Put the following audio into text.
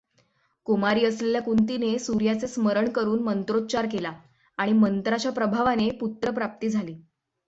कुमारी असलेल्या कुंतीने सूर्याचे स्मरण करून मंत्रोच्चार केला, आणि मंत्राच्या प्रभावाने पुत्रप्राप्ती झाली.